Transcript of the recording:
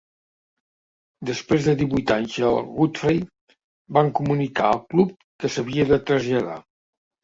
Després de divuit anys al Godfrey, van comunicar al club que s'havia de traslladar.